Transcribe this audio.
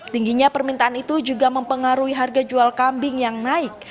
tingginya permintaan itu juga mempengaruhi harga jual kambing yang naik